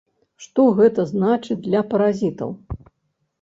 Што гэта значыць для паразітаў?